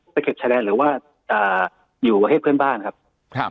ไปเก็บแชร์แดนหรือว่าอ่าอยู่กับเพื่อนบ้านครับครับ